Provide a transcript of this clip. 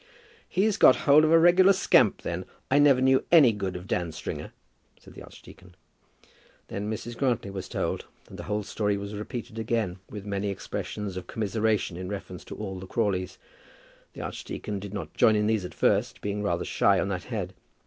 "He's got hold of a regular scamp then. I never knew any good of Dan Stringer," said the archdeacon. Then Mrs. Grantly was told, and the whole story was repeated again, with many expressions of commiseration in reference to all the Crawleys. The archdeacon did not join in these at first, being rather shy on that head.